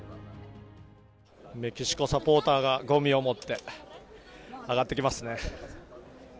メキシコサポーターがごみを持って上がってきますね。